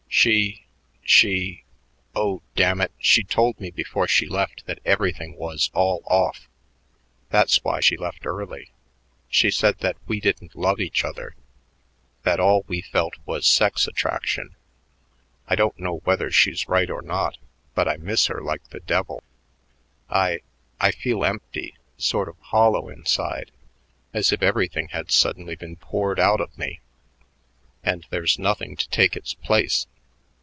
"She she oh, damn it! she told me before she left that everything was all off. That's why she left early. She said that we didn't love each other, that all we felt was sex attraction. I don't know whether she's right or not, but I miss her like the devil. I I feel empty, sort of hollow inside, as if everything had suddenly been poured out of me and there's nothing to take its place.